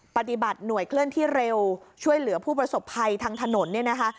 ปฏิบัติหน่วยเคลื่อนที่เร็วช่วยเหลือผู้ประสบภัยทางถนนเนี่ยนะคะ